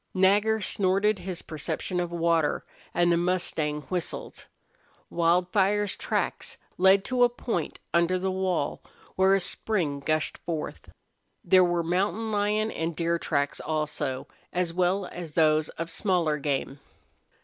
Nagger snorted his perception of water, and the mustang whistled. Wildfire's tracks led to a point under the wall where a spring gushed forth. There were mountain lion and deer tracks also, as well as those of smaller game.